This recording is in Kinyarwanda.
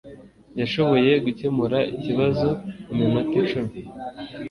Yashoboye gukemura ikibazo muminota icumi.